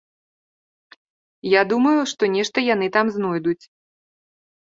Я думаю, што нешта яны там знойдуць.